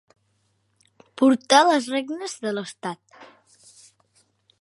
Portar les regnes de l'estat.